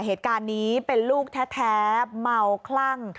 เหตุการณ์นี้เป็นลูกแท้เมาคลั่ง